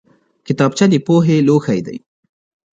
کتابچه د پوهې لوښی دی